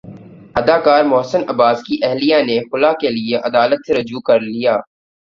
اداکار محسن عباس کی اہلیہ نے خلع کے لیے عدالت سےرجوع کر لیا